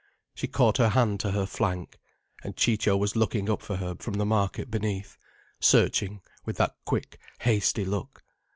She caught her hand to her flank. And Ciccio was looking up for her from the market beneath, searching with that quick, hasty look.